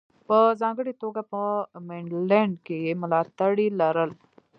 په ځانګړې توګه په منډلینډ کې یې ملاتړي لرل.